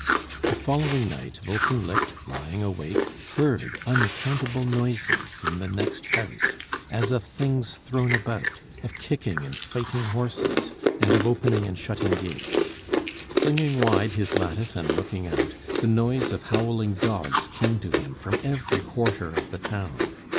The following night, Wolkenlicht, lying awake, heard unaccountable noises in the next house, as of things thrown about, of kicking and fighting horses, and of opening and shutting gates. Flinging wide his lattice and looking out, the noise of howling dogs came to him from every quarter of the town.